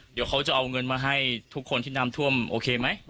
เดี๋ยวเขาจะเอาเงินมาให้ทุกคนที่น้ำท่วมโอเคไหม